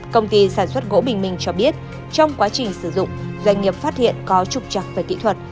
công ty sản xuất gỗ bình minh cho biết trong quá trình sử dụng doanh nghiệp phát hiện có trục trặc về kỹ thuật